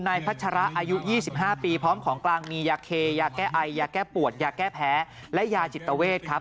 ในพัชราอายุ๒๕ปีพร้อมของกลางมียาแก้ไอยาแก้แก้ปวดยาแก้แพ้และยาจิตเวท